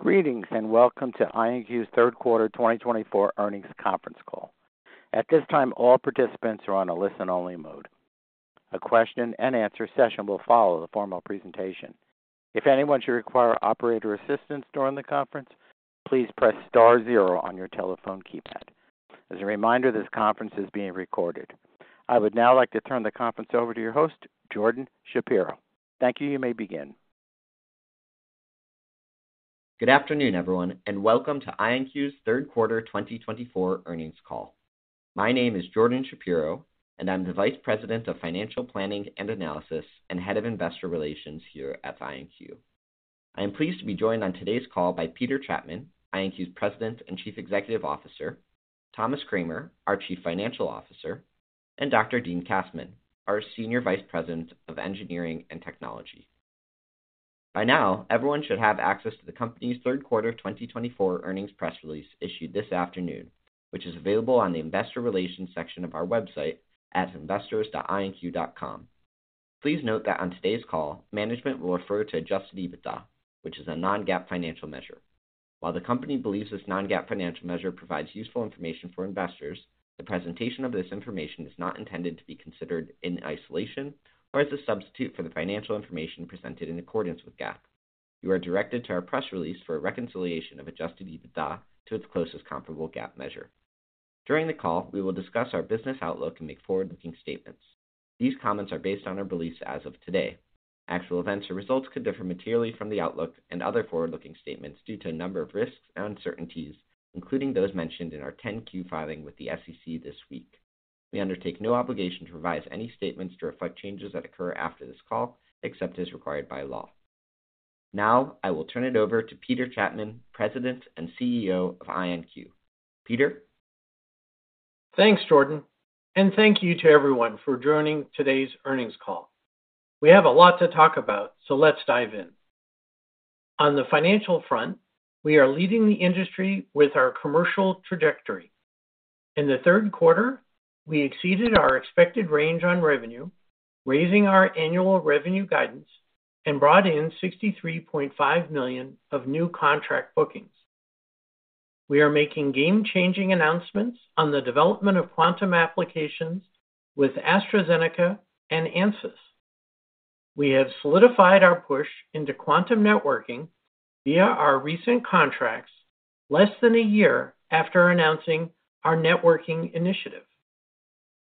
Greetings and welcome to IonQ's third quarter 2024 earnings conference call. At this time, all participants are on a listen-only mode. A question-and-answer session will follow the formal presentation. If anyone should require operator assistance during the conference, please press star zero on your telephone keypad. As a reminder, this conference is being recorded. I would now like to turn the conference over to your host, Jordan Shapiro. Thank you, you may begin. Good afternoon, everyone, and welcome to IonQ's third quarter 2024 earnings call. My name is Jordan Shapiro, and I'm the Vice President of Financial Planning and Analysis and Head of Investor Relations here at IonQ. I am pleased to be joined on today's call by Peter Chapman, IonQ's President and Chief Executive Officer, Thomas Kramer, our Chief Financial Officer, and Dr. Dean Kassmann, our Senior Vice President of Engineering and Technology. By now, everyone should have access to the company's third quarter 2024 earnings press release issued this afternoon, which is available on the Investor Relations section of our website at investors.ionq.com. Please note that on today's call, management will refer to Adjusted EBITDA, which is a non-GAAP financial measure. While the company believes this non-GAAP financial measure provides useful information for investors, the presentation of this information is not intended to be considered in isolation or as a substitute for the financial information presented in accordance with GAAP. You are directed to our press release for a reconciliation of Adjusted EBITDA to its closest comparable GAAP measure. During the call, we will discuss our business outlook and make forward-looking statements. These comments are based on our beliefs as of today. Actual events or results could differ materially from the outlook and other forward-looking statements due to a number of risks and uncertainties, including those mentioned in our 10-Q filing with the SEC this week. We undertake no obligation to revise any statements to reflect changes that occur after this call, except as required by law. Now, I will turn it over to Peter Chapman, President and CEO of IonQ. Peter. Thanks, Jordan, and thank you to everyone for joining today's earnings call. We have a lot to talk about, so let's dive in. On the financial front, we are leading the industry with our commercial trajectory. In the third quarter, we exceeded our expected range on revenue, raising our annual revenue guidance and brought in $63.5 million of new contract bookings. We are making game-changing announcements on the development of quantum applications with AstraZeneca and Ansys. We have solidified our push into quantum networking via our recent contracts, less than a year after announcing our networking initiative.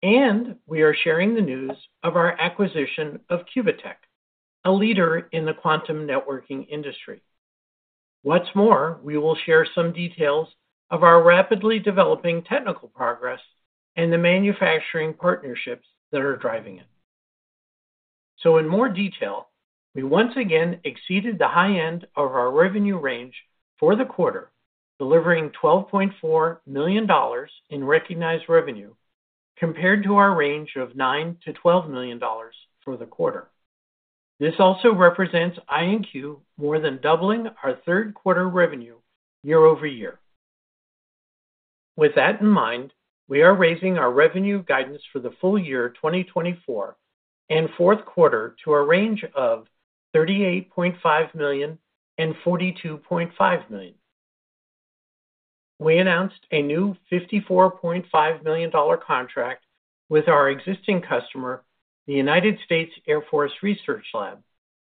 And we are sharing the news of our acquisition of Qubitekk, a leader in the quantum networking industry. What's more, we will share some details of our rapidly developing technical progress and the manufacturing partnerships that are driving it. In more detail, we once again exceeded the high end of our revenue range for the quarter, delivering $12.4 million in recognized revenue compared to our range of $9 million-$12 million for the quarter. This also represents IonQ more than doubling our third quarter revenue year-over-year. With that in mind, we are raising our revenue guidance for the full year 2024 and fourth quarter to a range of $38.5 million and $42.5 million. We announced a new $54.5 million contract with our existing customer, the United States Air Force Research Laboratory,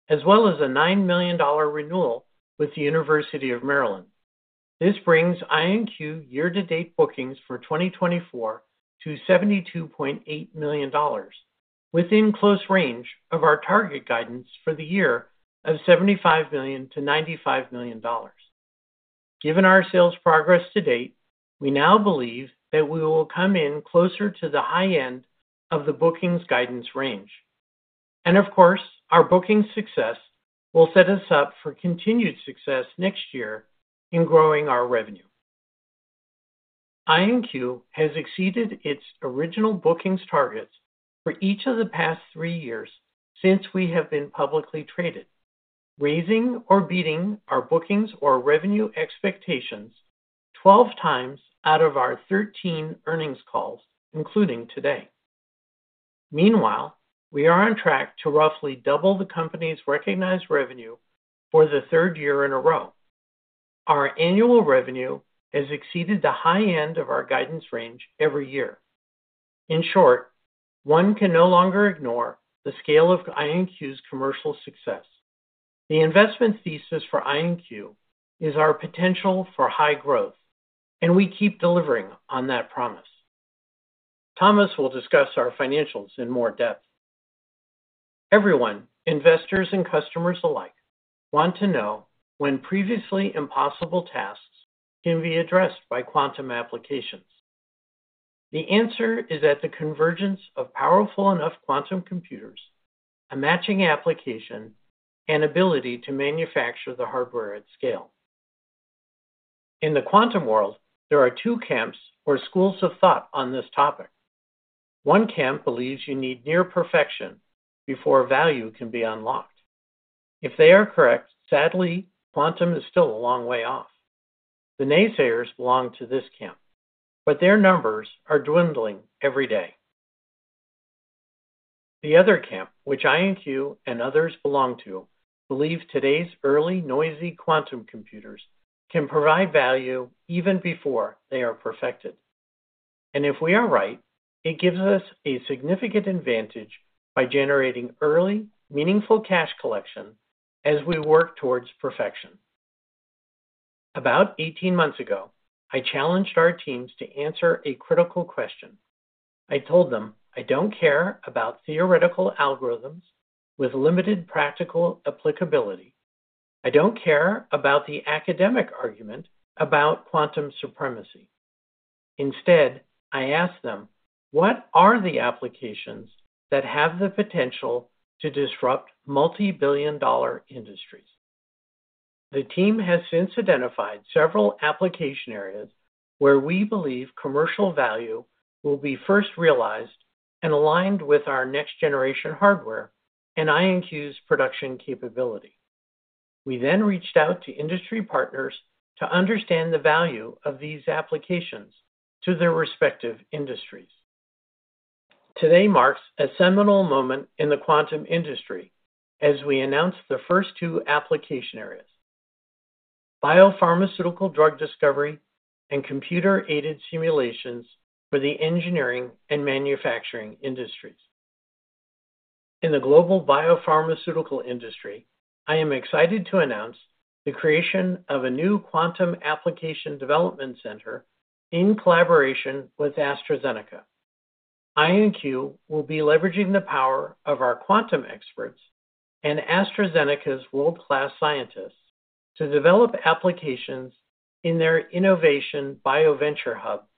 as well as a $9 million renewal with the University of Maryland. This brings IonQ year-to-date bookings for 2024 to $72.8 million, within close range of our target guidance for the year of $75 million-$95 million. Given our sales progress to date, we now believe that we will come in closer to the high end of the bookings guidance range, and of course, our bookings success will set us up for continued success next year in growing our revenue. IonQ has exceeded its original bookings targets for each of the past three years since we have been publicly traded, raising or beating our bookings or revenue expectations 12x out of our 13 earnings calls, including today. Meanwhile, we are on track to roughly double the company's recognized revenue for the third year in a row. Our annual revenue has exceeded the high end of our guidance range every year. In short, one can no longer ignore the scale of IonQ's commercial success. The investment thesis for IonQ is our potential for high growth, and we keep delivering on that promise. Thomas will discuss our financials in more depth. Everyone, investors and customers alike, want to know when previously impossible tasks can be addressed by quantum applications. The answer is at the convergence of powerful enough quantum computers, a matching application, and ability to manufacture the hardware at scale. In the quantum world, there are two camps or schools of thought on this topic. One camp believes you need near perfection before value can be unlocked. If they are correct, sadly, quantum is still a long way off. The naysayers belong to this camp, but their numbers are dwindling every day. The other camp, which IonQ and others belong to, believes today's early, noisy quantum computers can provide value even before they are perfected, and if we are right, it gives us a significant advantage by generating early, meaningful cash collection as we work towards perfection. About 18 months ago, I challenged our teams to answer a critical question. I told them, "I don't care about theoretical algorithms with limited practical applicability. I don't care about the academic argument about quantum supremacy." Instead, I asked them, "What are the applications that have the potential to disrupt multi-billion dollar industries?" The team has since identified several application areas where we believe commercial value will be first realized and aligned with our next-generation hardware and IonQ's production capability. We then reached out to industry partners to understand the value of these applications to their respective industries. Today marks a seminal moment in the quantum industry as we announce the first two application areas: biopharmaceutical drug discovery and computer-aided simulations for the engineering and manufacturing industries. In the global biopharmaceutical industry, I am excited to announce the creation of a new quantum application development center in collaboration with AstraZeneca. IonQ will be leveraging the power of our quantum experts and AstraZeneca's world-class scientists to develop applications in their innovation BioVentureHub in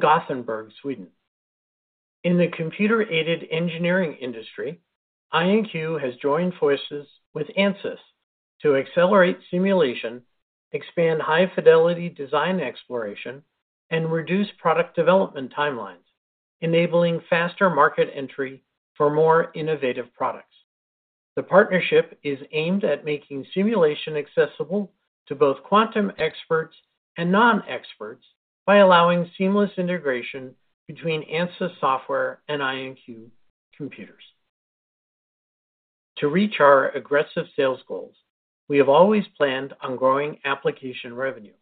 Gothenburg, Sweden. In the computer-aided engineering industry, IonQ has joined forces with Ansys to accelerate simulation, expand high-fidelity design exploration, and reduce product development timelines, enabling faster market entry for more innovative products. The partnership is aimed at making simulation accessible to both quantum experts and non-experts by allowing seamless integration between Ansys software and IonQ computers. To reach our aggressive sales goals, we have always planned on growing application revenue.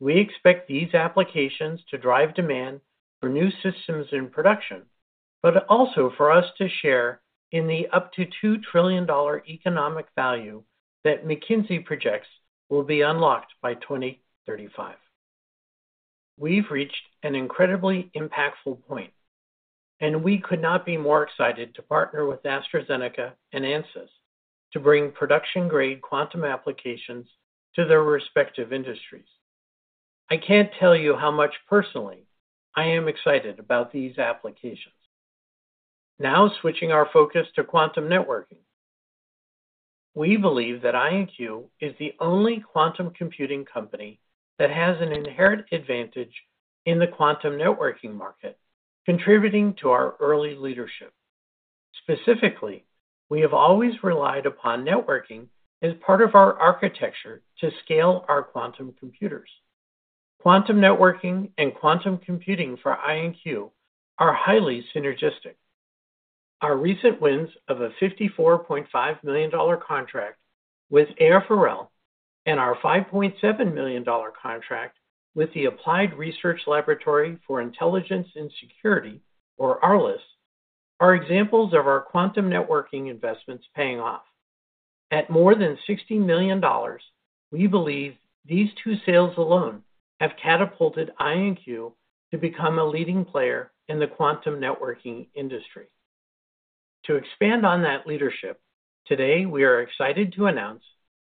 We expect these applications to drive demand for new systems in production, but also for us to share in the up to $2 trillion economic value that McKinsey projects will be unlocked by 2035. We've reached an incredibly impactful point, and we could not be more excited to partner with AstraZeneca and Ansys to bring production-grade quantum applications to their respective industries. I can't tell you how much personally I am excited about these applications. Now, switching our focus to quantum networking, we believe that IonQ is the only quantum computing company that has an inherent advantage in the quantum networking market, contributing to our early leadership. Specifically, we have always relied upon networking as part of our architecture to scale our quantum computers. Quantum networking and quantum computing for IonQ are highly synergistic. Our recent wins of a $54.5 million contract with AFRL and our $5.7 million contract with the Applied Research Laboratory for Intelligence and Security, or ARLIS, are examples of our quantum networking investments paying off. At more than $60 million, we believe these two sales alone have catapulted IonQ to become a leading player in the quantum networking industry. To expand on that leadership, today we are excited to announce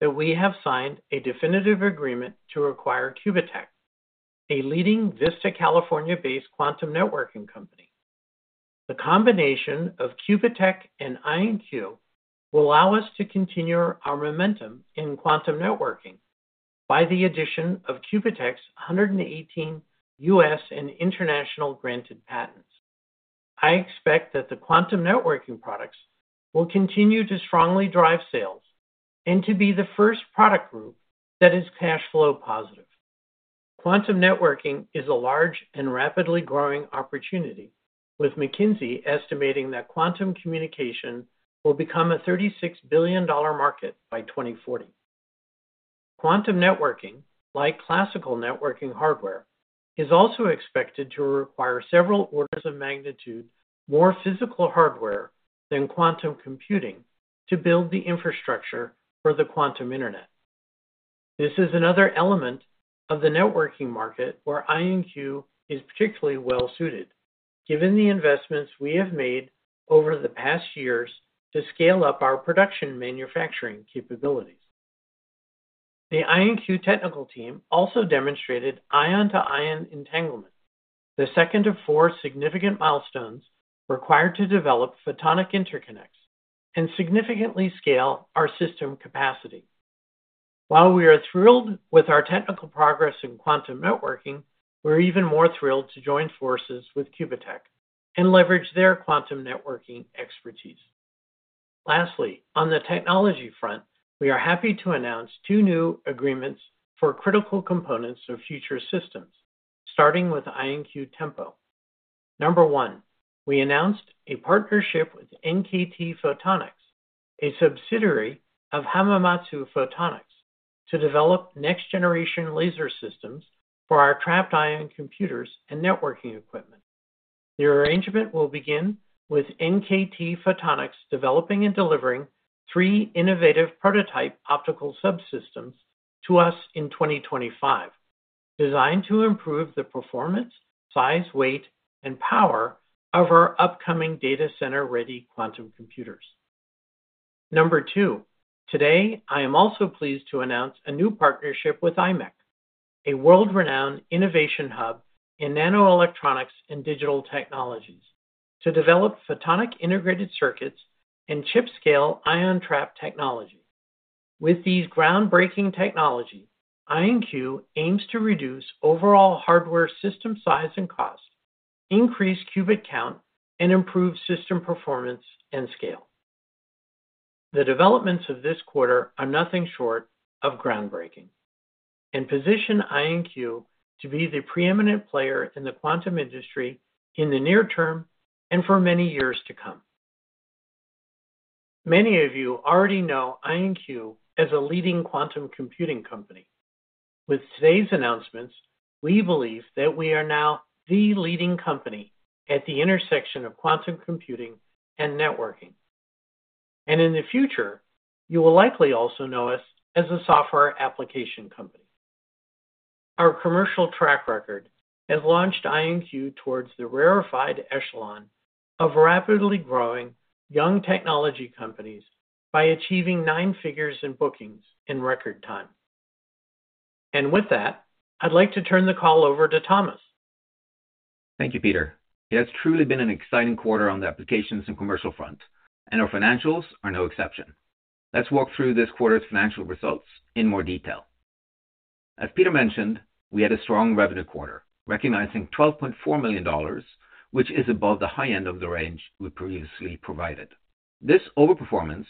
that we have signed a definitive agreement to acquire Qubitekk, a leading Vista, California-based quantum networking company. The combination of Qubitekk and IonQ will allow us to continue our momentum in quantum networking by the addition of Qubitekk's 118 U.S. and international granted patents. I expect that the quantum networking products will continue to strongly drive sales and to be the first product group that is cash flow positive. Quantum networking is a large and rapidly growing opportunity, with McKinsey estimating that quantum communication will become a $36 billion market by 2040. Quantum networking, like classical networking hardware, is also expected to require several orders of magnitude more physical hardware than quantum computing to build the infrastructure for the quantum internet. This is another element of the networking market where IonQ is particularly well-suited, given the investments we have made over the past years to scale up our production manufacturing capabilities. The IonQ technical team also demonstrated ion-to-ion entanglement, the second of four significant milestones required to develop photonic interconnects and significantly scale our system capacity. While we are thrilled with our technical progress in quantum networking, we're even more thrilled to join forces with Qubitekk and leverage their quantum networking expertise. Lastly, on the technology front, we are happy to announce two new agreements for critical components of future systems, starting with IonQ Tempo. Number one, we announced a partnership with NKT Photonics, a subsidiary of Hamamatsu Photonics, to develop next-generation laser systems for our trapped ion computers and networking equipment. The arrangement will begin with NKT Photonics developing and delivering three innovative prototype optical subsystems to us in 2025, designed to improve the performance, size, weight, and power of our upcoming data center-ready quantum computers. Number two, today I am also pleased to announce a new partnership with IMEC, a world-renowned innovation hub in nanoelectronics and digital technologies, to develop photonic integrated circuits and chip-scale ion trap technology. With these groundbreaking technologies, IonQ aims to reduce overall hardware system size and cost, increase qubit count, and improve system performance and scale. The developments of this quarter are nothing short of groundbreaking and position IonQ to be the preeminent player in the quantum industry in the near term and for many years to come. Many of you already know IonQ as a leading quantum computing company. With today's announcements, we believe that we are now the leading company at the intersection of quantum computing and networking, and in the future, you will likely also know us as a software application company. Our commercial track record has launched IonQ towards the rarefied echelon of rapidly growing young technology companies by achieving nine figures in bookings in record time, and with that, I'd like to turn the call over to Thomas. Thank you, Peter. It has truly been an exciting quarter on the applications and commercial front, and our financials are no exception. Let's walk through this quarter's financial results in more detail. As Peter mentioned, we had a strong revenue quarter, recognizing $12.4 million, which is above the high end of the range we previously provided. This overperformance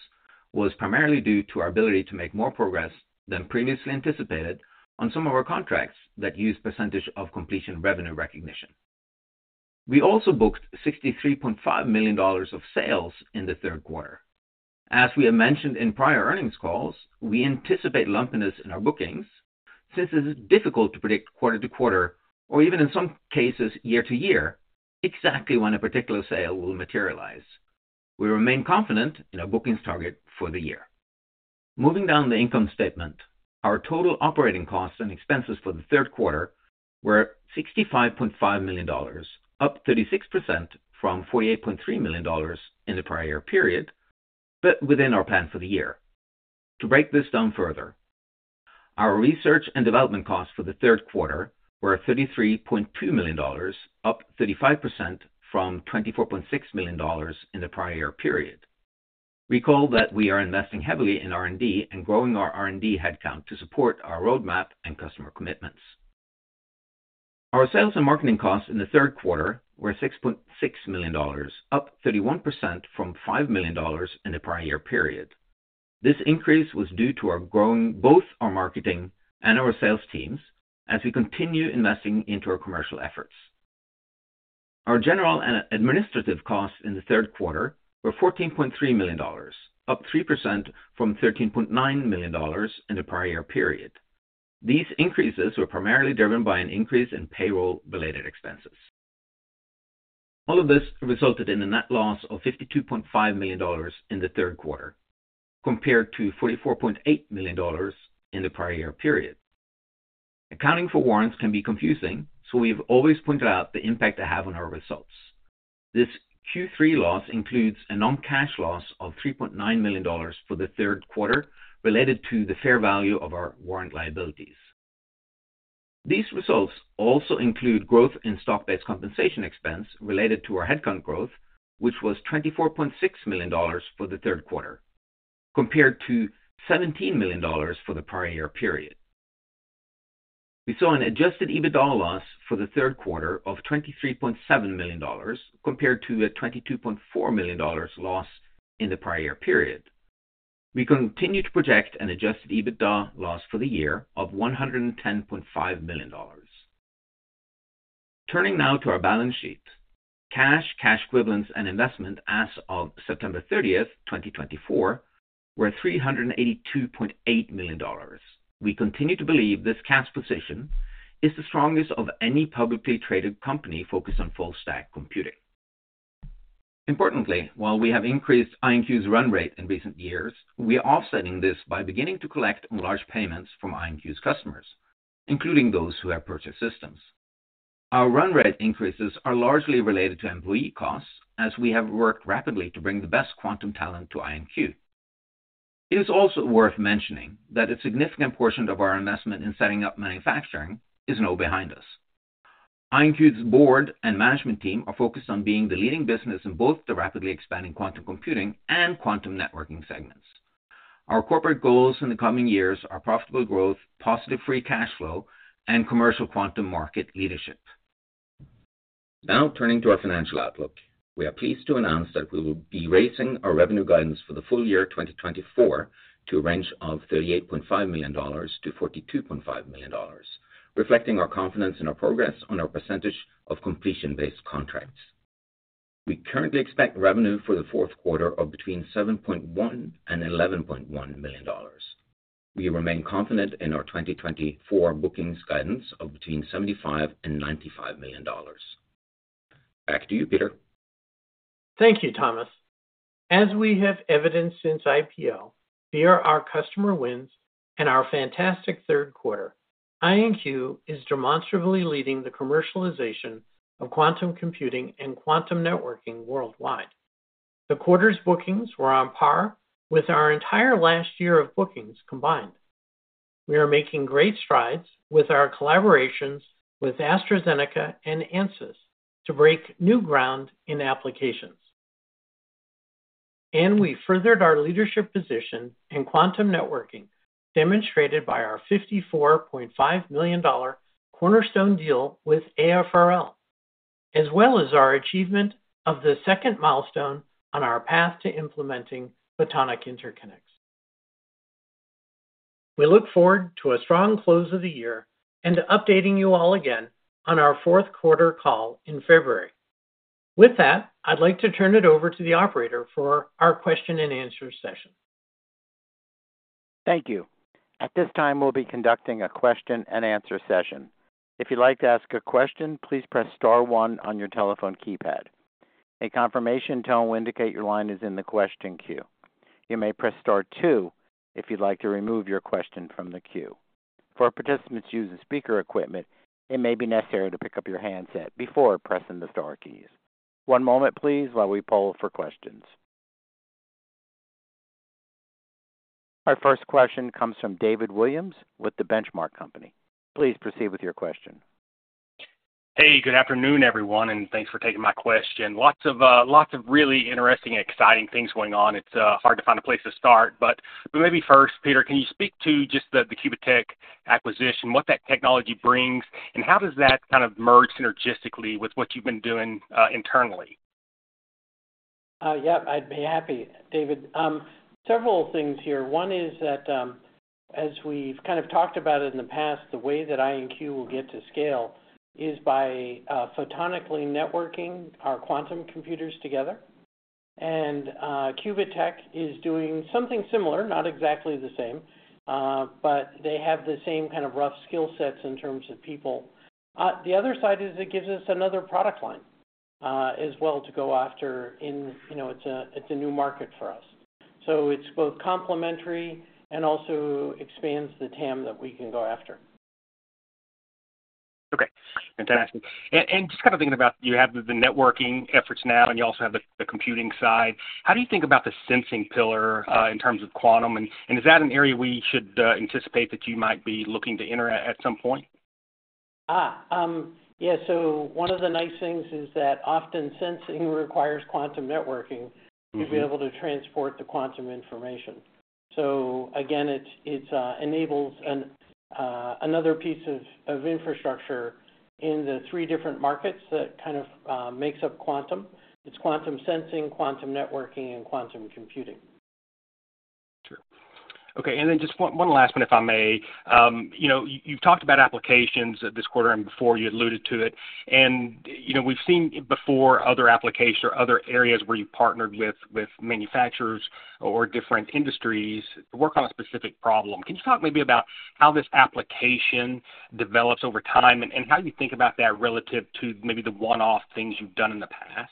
was primarily due to our ability to make more progress than previously anticipated on some of our contracts that use percentage of completion revenue recognition. We also booked $63.5 million of sales in the third quarter. As we have mentioned in prior earnings calls, we anticipate lumpiness in our bookings since it is difficult to predict quarter-to-quarter, or even in some cases year-to-year, exactly when a particular sale will materialize. We remain confident in our bookings target for the year. Moving down the income statement, our total operating costs and expenses for the third quarter were $65.5 million, up 36% from $48.3 million in the prior year period, but within our plan for the year. To break this down further, our research and development costs for the third quarter were $33.2 million, up 35% from $24.6 million in the prior year period. Recall that we are investing heavily in R&D and growing our R&D headcount to support our roadmap and customer commitments. Our sales and marketing costs in the third quarter were $6.6 million, up 31% from $5 million in the prior year period. This increase was due to our growing both our marketing and our sales teams as we continue investing into our commercial efforts. Our general and administrative costs in the third quarter were $14.3 million, up 3% from $13.9 million in the prior year period. These increases were primarily driven by an increase in payroll-related expenses. All of this resulted in a net loss of $52.5 million in the third quarter, compared to $44.8 million in the prior year period. Accounting for warrants can be confusing, so we have always pointed out the impact they have on our results. This Q3 loss includes a non-cash loss of $3.9 million for the third quarter related to the fair value of our warrant liabilities. These results also include growth in stock-based compensation expense related to our headcount growth, which was $24.6 million for the third quarter, compared to $17 million for the prior year period. We saw an Adjusted EBITDA loss for the third quarter of $23.7 million, compared to a $22.4 million loss in the prior year period. We continue to project an Adjusted EBITDA loss for the year of $110.5 million. Turning now to our balance sheet, cash, cash equivalents, and investment as of September 30th, 2024, were $382.8 million. We continue to believe this cash position is the strongest of any publicly traded company focused on full-stack computing. Importantly, while we have increased IonQ's run rate in recent years, we are offsetting this by beginning to collect enlarged payments from IonQ's customers, including those who have purchased systems. Our run rate increases are largely related to employee costs as we have worked rapidly to bring the best quantum talent to IonQ. It is also worth mentioning that a significant portion of our investment in setting up manufacturing is now behind us. IonQ's board and management team are focused on being the leading business in both the rapidly expanding quantum computing and quantum networking segments. Our corporate goals in the coming years are profitable growth, positive free cash flow, and commercial quantum market leadership. Now, turning to our financial outlook, we are pleased to announce that we will be raising our revenue guidance for the full year 2024 to a range of $38.5 million-$42.5 million, reflecting our confidence in our progress on our percentage of completion-based contracts. We currently expect revenue for the fourth quarter of between $7.1 million and $11.1 million. We remain confident in our 2024 bookings guidance of between $75 million and $95 million. Back to you, Peter. Thank you, Thomas. As we have evidenced since IPO, via our customer wins and our fantastic third quarter, IonQ is demonstrably leading the commercialization of quantum computing and quantum networking worldwide. The quarter's bookings were on par with our entire last year of bookings combined. We are making great strides with our collaborations with AstraZeneca and Ansys to break new ground in applications. We furthered our leadership position in quantum networking, demonstrated by our $54.5 million cornerstone deal with AFRL, as well as our achievement of the second milestone on our path to implementing photonic interconnects. We look forward to a strong close of the year and to updating you all again on our fourth quarter call in February. With that, I'd like to turn it over to the operator for our question and answer session. Thank you. At this time, we'll be conducting a question and answer session. If you'd like to ask a question, please press star one on your telephone keypad. A confirmation tone will indicate your line is in the question queue. You may press star two if you'd like to remove your question from the queue. For participants using speaker equipment, it may be necessary to pick up your handset before pressing the star keys. One moment, please, while we poll for questions. Our first question comes from David Williams with The Benchmark Company. Please proceed with your question. Hey, good afternoon, everyone, and thanks for taking my question. Lots of really interesting and exciting things going on. It's hard to find a place to start, but maybe first, Peter, can you speak to just the Qubitekk acquisition, what that technology brings, and how does that kind of merge synergistically with what you've been doing internally? Yep, I'd be happy, David. Several things here. One is that, as we've kind of talked about it in the past, the way that IonQ will get to scale is by photonically networking our quantum computers together, and Qubitekk is doing something similar, not exactly the same, but they have the same kind of rough skill sets in terms of people. The other side is it gives us another product line as well to go after, and it's a new market for us. So it's both complementary and also expands the TAM that we can go after. Okay. Fantastic. And just kind of thinking about you have the networking efforts now, and you also have the computing side. How do you think about the sensing pillar in terms of quantum, and is that an area we should anticipate that you might be looking to enter at some point? Yeah. So one of the nice things is that often sensing requires quantum networking to be able to transport the quantum information. So again, it enables another piece of infrastructure in the three different markets that kind of makes up quantum. It's quantum sensing, quantum networking, and quantum computing. Sure. Okay. And then just one last one, if I may. You've talked about applications this quarter and before you alluded to it, and we've seen before other applications or other areas where you partnered with manufacturers or different industries to work on a specific problem. Can you talk maybe about how this application develops over time and how you think about that relative to maybe the one-off things you've done in the past?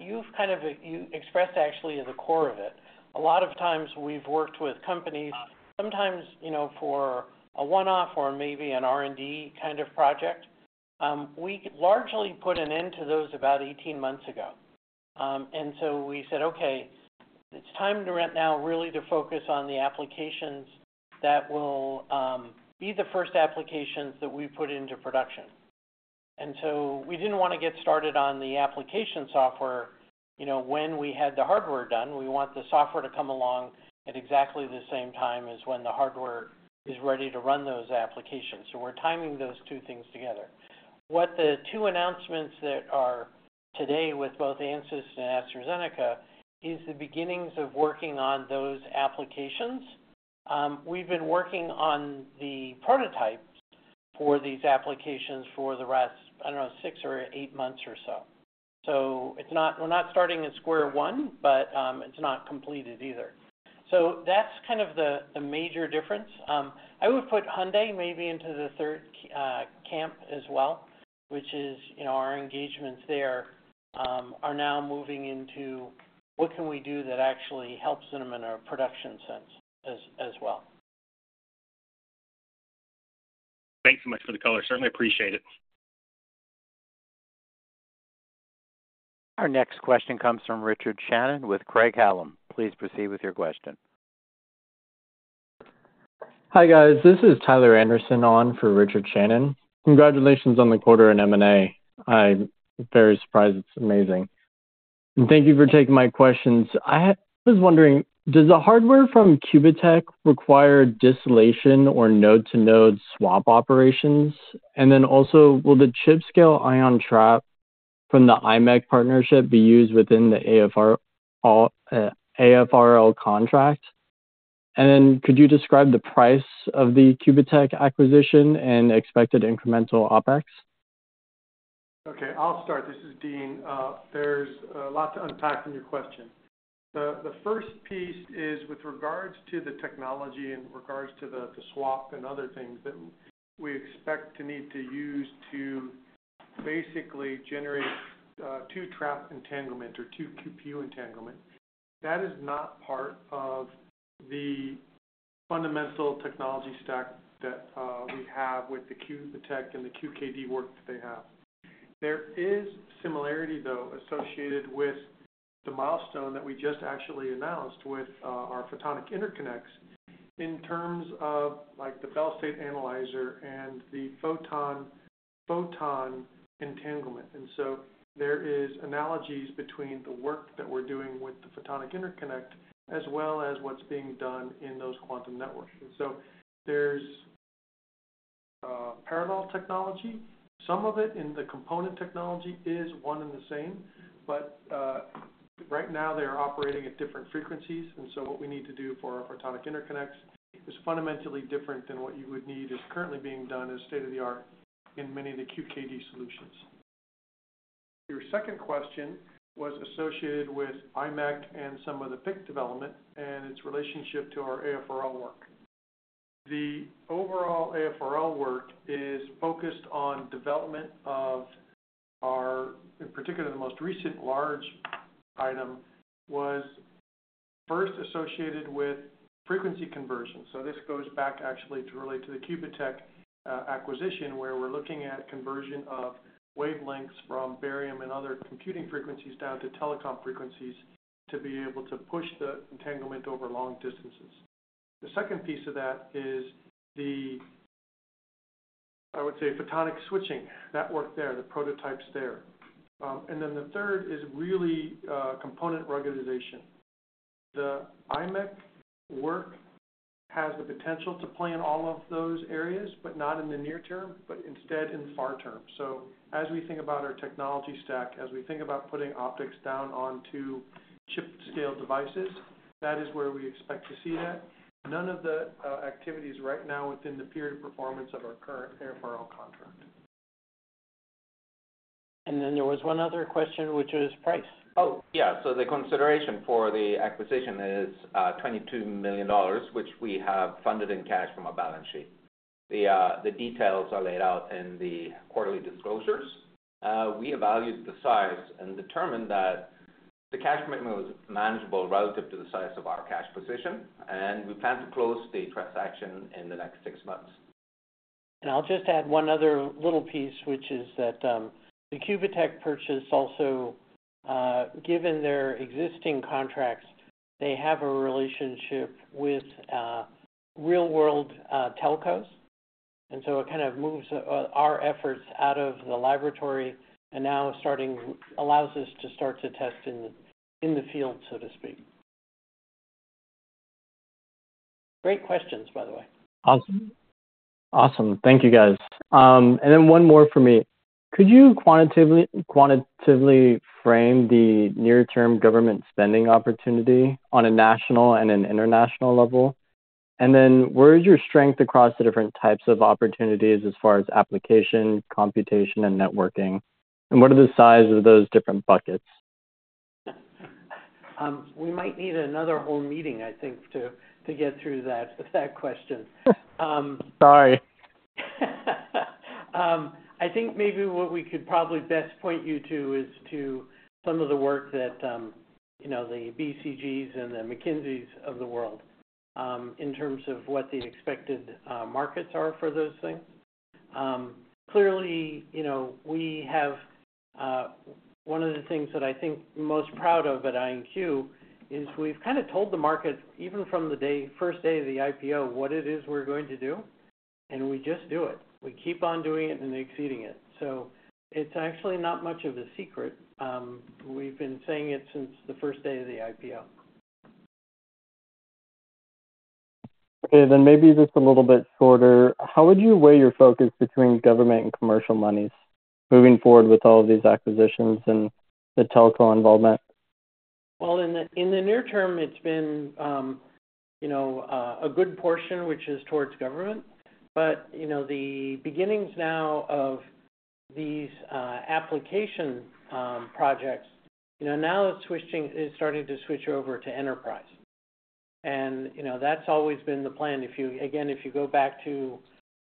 You've kind of expressed actually the core of it. A lot of times we've worked with companies, sometimes for a one-off or maybe an R&D kind of project. We largely put an end to those about 18 months ago, and so we said, "Okay, it's time to now really focus on the applications that will be the first applications that we put into production," and so we didn't want to get started on the application software when we had the hardware done. We want the software to come along at exactly the same time as when the hardware is ready to run those applications." So we're timing those two things together. What the two announcements that are today with both Ansys and AstraZeneca is the beginnings of working on those applications. We've been working on the prototypes for these applications for the last, I don't know, six or eight months or so. So we're not starting at square one, but it's not completed either. So that's kind of the major difference. I would put Hyundai maybe into the third camp as well, which is our engagements there are now moving into what can we do that actually helps them in a production sense as well. Thanks so much for the color. Certainly appreciate it. Our next question comes from Richard Shannon with Craig-Hallum. Please proceed with your question. Hi guys, this is Tyler Anderson on for Richard Shannon. Congratulations on the quarter in M&A. I'm very surprised. It's amazing. And thank you for taking my questions. I was wondering, does the hardware from Qubitekk require distillation or node-to-node swap operations? And then also, will the chip-scale ion trap from the IMEC partnership be used within the AFRL contract? And then could you describe the price of the Qubitekk acquisition and expected incremental OpEx? Okay. I'll start. This is Dean. There's a lot to unpack in your question. The first piece is with regards to the technology in regards to the swap and other things that we expect to need to use to basically generate two trap entanglement or two QPU entanglement. That is not part of the fundamental technology stack that we have with the Qubitekk and the QKD work that they have. There is similarity, though, associated with the milestone that we just actually announced with our photonic interconnects in terms of the Bell State Analyzer and the photon entanglement. And so there are analogies between the work that we're doing with the photonic interconnect as well as what's being done in those quantum networks. And so there's parallel technology. Some of it in the component technology is one and the same, but right now they are operating at different frequencies. And so what we need to do for our photonic interconnects is fundamentally different than what you would need is currently being done as state of the art in many of the QKD solutions. Your second question was associated with IMEC and some of the PIC development and its relationship to our AFRL work. The overall AFRL work is focused on development of our, in particular, the most recent large item was first associated with frequency conversion. So this goes back actually to relate to the Qubitekk acquisition where we're looking at conversion of wavelengths from barium and other computing frequencies down to telecom frequencies to be able to push the entanglement over long distances. The second piece of that is the, I would say, photonic switching network there, the prototypes there. And then the third is really component ruggedization. The IMEC work has the potential to play in all of those areas, but not in the near term, but instead in the far term. So as we think about our technology stack, as we think about putting optics down onto chip-scale devices, that is where we expect to see that. None of the activities right now within the period of performance of our current AFRL contract. Then there was one other question, which was price. Oh, yeah. The consideration for the acquisition is $22 million, which we have funded in cash from a balance sheet. The details are laid out in the quarterly disclosures. We evaluated the size and determined that the cash commitment was manageable relative to the size of our cash position, and we plan to close the transaction in the next six months. I'll just add one other little piece, which is that the Qubitekk purchase also, given their existing contracts, they have a relationship with real-world telcos. It kind of moves our efforts out of the laboratory and now allows us to start to test in the field, so to speak. Great questions, by the way. Awesome. Awesome. Thank you, guys. And then one more for me. Could you quantitatively frame the near-term government spending opportunity on a national and an international level? And then where is your strength across the different types of opportunities as far as application, computation, and networking? And what are the size of those different buckets? We might need another whole meeting, I think, to get through that question. Sorry. I think maybe what we could probably best point you to is to some of the work that the BCGs and the McKinseys of the world in terms of what the expected markets are for those things. Clearly, we have one of the things that I think most proud of at IonQ is we've kind of told the market, even from the first day of the IPO, what it is we're going to do, and we just do it. We keep on doing it and exceeding it. So it's actually not much of a secret. We've been saying it since the first day of the IPO. Okay. Then maybe just a little bit shorter. How would you weigh your focus between government and commercial monies moving forward with all of these acquisitions and the telco involvement? Well, in the near term, it's been a good portion, which is towards government. But the beginnings now of these application projects, now it's starting to switch over to enterprise. And that's always been the plan. Again, if you go back to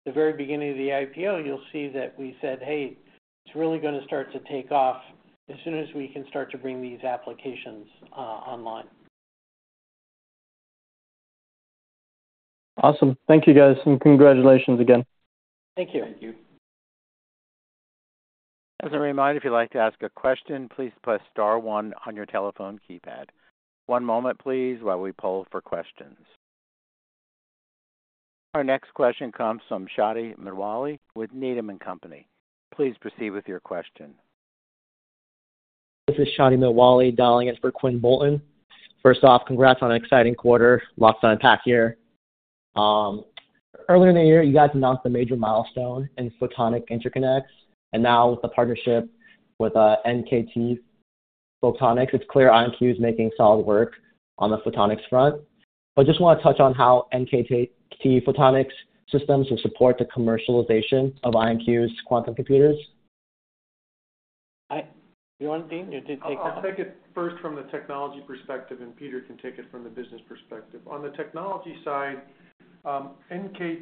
the very beginning of the IPO, you'll see that we said, "Hey, it's really going to start to take off as soon as we can start to bring these applications online." Awesome. Thank you, guys, and congratulations again. Thank you. Thank you. As a reminder, if you'd like to ask a question, please press star one on your telephone keypad. One moment, please, while we poll for questions. Our next question comes from Shadi Mitwalli with Needham & Company. Please proceed with your question. This is Shadi Mitwalli dialing in for Quinn Bolton. First off, congrats on an exciting quarter, lots to unpack here. Earlier in the year, you guys announced a major milestone in photonic interconnects, and now with the partnership with NKT Photonics, it's clear IonQ is making solid work on the photonics front. But just want to touch on how NKT Photonics Systems will support the commercialization of IonQ's quantum computers. Do you want to, Dean? You did take that. I'll take it first from the technology perspective, and Peter can take it from the business perspective. On the technology side,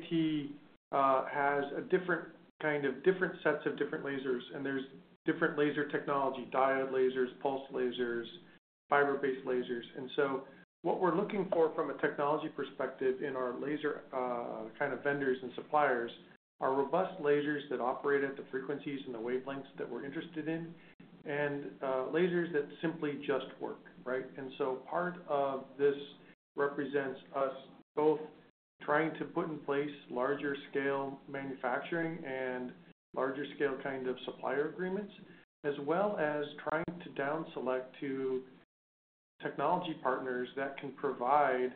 NKT has a different kind of different sets of different lasers, and there's different laser technology: diode lasers, pulsed lasers, fiber-based lasers. And so what we're looking for from a technology perspective in our laser kind of vendors and suppliers are robust lasers that operate at the frequencies and the wavelengths that we're interested in, and lasers that simply just work, right? And so part of this represents us both trying to put in place larger-scale manufacturing and larger-scale kind of supplier agreements, as well as trying to downselect to technology partners that can provide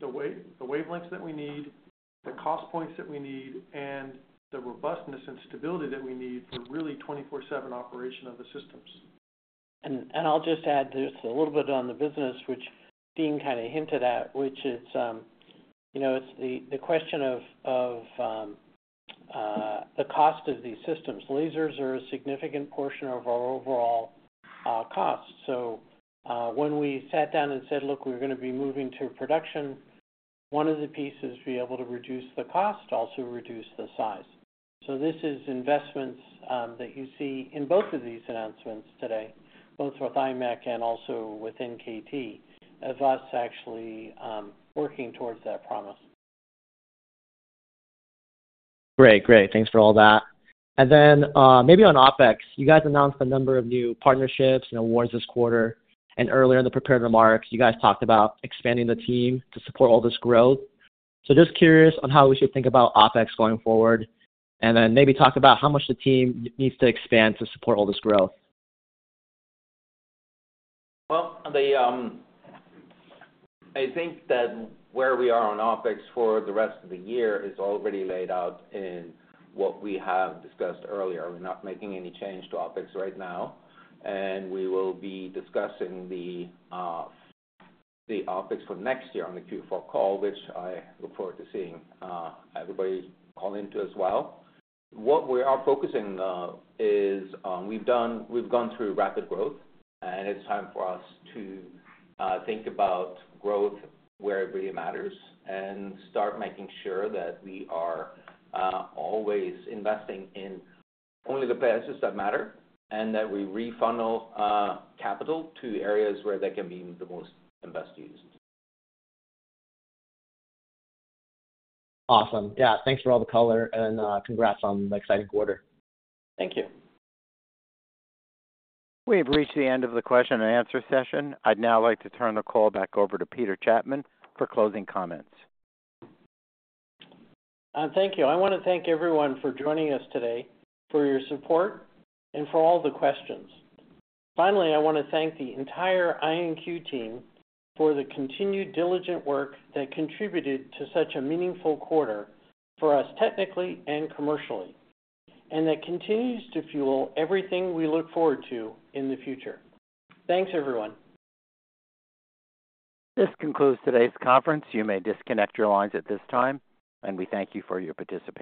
the wavelengths that we need, the cost points that we need, and the robustness and stability that we need for really 24/7 operation of the systems. And I'll just add just a little bit on the business, which Dean kind of hinted at, which is the question of the cost of these systems. Lasers are a significant portion of our overall cost. So when we sat down and said, "Look, we're going to be moving to production," one of the pieces is to be able to reduce the cost, also reduce the size. So this is investments that you see in both of these announcements today, both with IMEC and also with NKT, of us actually working towards that promise. Great. Great. Thanks for all that. And then maybe on OpEx, you guys announced a number of new partnerships and awards this quarter. And earlier in the prepared remarks, you guys talked about expanding the team to support all this growth. So just curious on how we should think about OpEx going forward, and then maybe talk about how much the team needs to expand to support all this growth. Well, I think that where we are on OpEx for the rest of the year is already laid out in what we have discussed earlier. We're not making any change to OpEx right now, and we will be discussing the OpEx for next year on the Q4 call, which I look forward to seeing everybody call into as well. What we are focusing on is we've gone through rapid growth, and it's time for us to think about growth where it really matters and start making sure that we are always investing in only the best that matter and that we refunnel capital to areas where they can be the most and best used. Awesome. Yeah. Thanks for all the color, and congrats on the exciting quarter. Thank you. We've reached the end of the question and answer session. I'd now like to turn the call back over to Peter Chapman for closing comments. Thank you. I want to thank everyone for joining us today, for your support, and for all the questions. Finally, I want to thank the entire IonQ team for the continued diligent work that contributed to such a meaningful quarter for us technically and commercially, and that continues to fuel everything we look forward to in the future. Thanks, everyone. This concludes today's conference. You may disconnect your lines at this time, and we thank you for your participation.